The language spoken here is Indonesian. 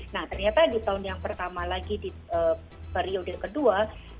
nah ternyata di tahun yang pertama lagi di periode kedua